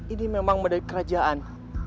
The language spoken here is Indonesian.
ini memang medali kerajaan